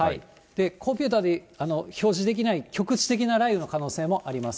コンピューターで表示できない局地的な雷雨の可能性もあります。